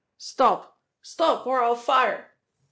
"Stop! Stop, or I'll fire!"